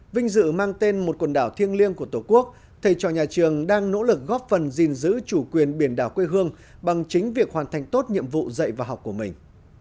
vinh dự mang tên một quần đảo thiêng liêng của tổ quốc thầy trò nhà trường đang nỗ lực góp phần gìn giữ chủ quyền biển đảo quê hương bằng chính việc hoàn thành tốt nhiệm vụ dạy và học của mình